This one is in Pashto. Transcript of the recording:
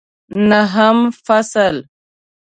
نهم فصل